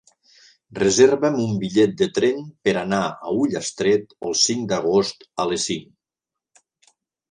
Reserva'm un bitllet de tren per anar a Ullastret el cinc d'agost a les cinc.